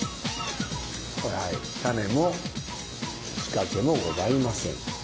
タネも仕掛けもございません。